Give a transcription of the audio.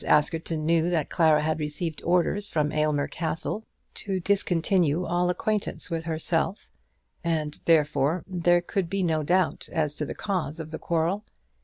Askerton knew that Clara had received orders from Aylmer Castle to discontinue all acquaintance with herself, and, therefore, there could be no doubt as to the cause of the quarrel.